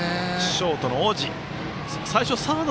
ショートの大路。